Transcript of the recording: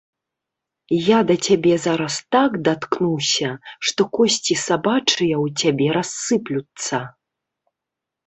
Я да цябе зараз так даткнуся, што косці сабачыя ў цябе рассыплюцца!